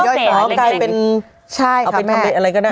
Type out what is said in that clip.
ใช่ค่ะแม่เอาเป็นทำเป็นอะไรก็ได้